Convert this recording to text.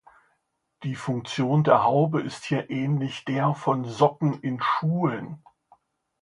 Die Funktion der Haube ist hier ähnlich der von Socken in Schuhen.